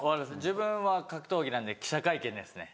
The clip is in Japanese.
自分は格闘技なんで記者会見ですね。